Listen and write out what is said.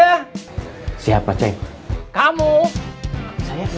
eh si mehoi udah disini aja